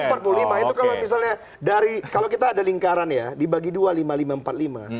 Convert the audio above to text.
empat puluh lima persen itu kalau misalnya kalau kita ada lingkaran ya dibagi dua lima puluh lima empat puluh lima